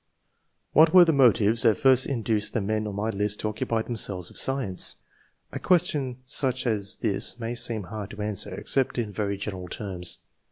What were the motives that first induced the men on my list to occupy themselves with science ? A question such as this may seem hard to answer, except in very general terms.